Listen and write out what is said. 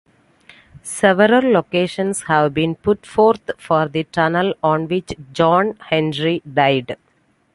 Several locations have been put forth for the tunnel on which John Henry died.